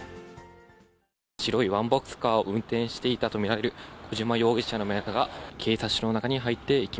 白いワンボックスカーを運転していたと見られる小島容疑者の身柄が警察署の中に入っていき